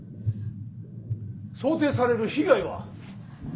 「想定される被害は？」。